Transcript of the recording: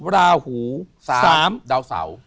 ๓ดาวเสา